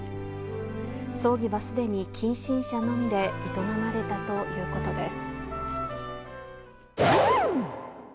葬儀はすでに近親者のみで営まれたということです。